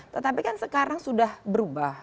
tetapi kan sekarang sudah berubah